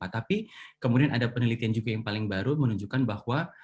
tapi kemudian ada penelitian juga yang paling baru menunjukkan bahwa